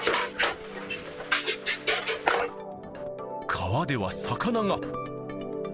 川では魚が。